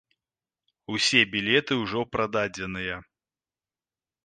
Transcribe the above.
Усе білеты ўжо прададзеныя.